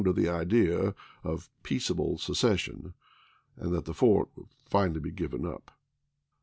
to the idea of "peaceable secession," and that the fort would be finally given up.